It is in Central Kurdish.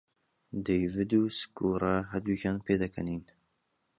دەیڤد و سکورا هەردووک پێدەکەنین.